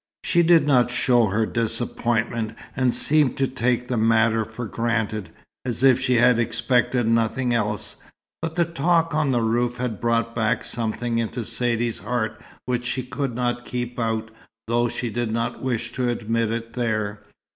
She did not show her disappointment, and seemed to take the matter for granted, as if she had expected nothing else; but the talk on the roof had brought back something into Saidee's heart which she could not keep out, though she did not wish to admit it there.